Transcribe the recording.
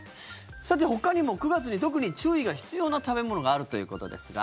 さて、ほかにも９月に特に注意が必要な食べ物があるということですが。